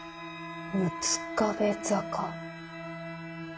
「六壁坂」。